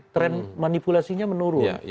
tren manipulasinya menurun